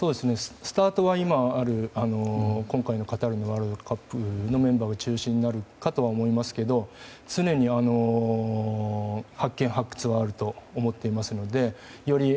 スタートは今ある今回のカタールワールドカップのメンバーが中心になるかとは思いますが常に発見・発掘はあると思っていますのでより